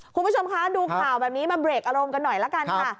คุณผู้ชมคะดูข่าวแบบนี้มาเบรกอารมณ์กันหน่อยละกันค่ะ